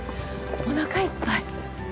おなかいっぱい。